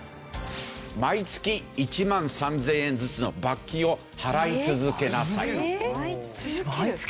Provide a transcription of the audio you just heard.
毎月１万３０００円ずつの罰金を払い続けなさい。